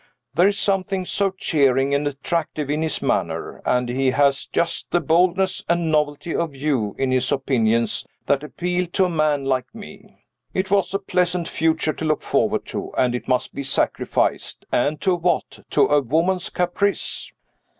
There is something so cheering and attractive in his manner and he has just the boldness and novelty of view in his opinions that appeal to a man like me. It was a pleasant future to look forward to; and it must be sacrificed and to what? To a woman's caprice."